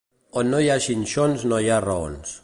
On no hi ha xinxons no hi ha raons.